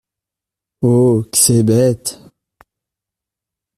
Oh ! que c’est bête !